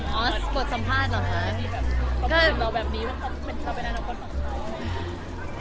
อ๋อกดสัมภาษณ์เหรอค่ะ